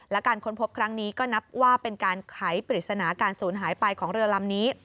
และการค้นพบครั้งนี้ก็นับว่าเป็นการไขปริศนาการศูนย์หายไปของเรือลำนี้